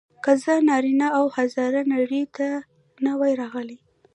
که زه نارینه او هزاره نړۍ ته نه وای راغلی.